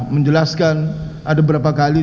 menjelaskan ada berapa kali